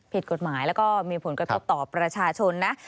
ผิดกฎหมายแล้วก็มีผลกระทบต่อประชาชนนะ